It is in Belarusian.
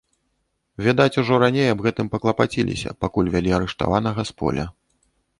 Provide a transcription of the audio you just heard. Відаць, ужо раней аб гэтым паклапаціліся, пакуль вялі арыштаванага з поля.